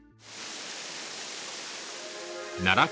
奈良県